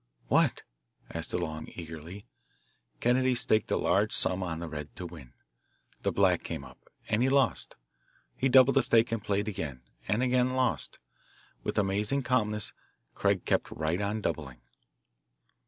"What?" asked DeLong eagerly. Kennedy staked a large sum on the red to win. The black came up, and he lost. He doubled the stake and played again, and again lost. With amazing calmness Craig kept right on doubling.